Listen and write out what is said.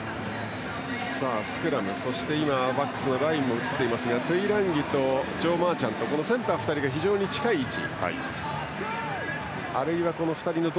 スクラムそしてバックスラインも映っていますがトゥイランギとマーチャントセンター２人が非常に近い位置。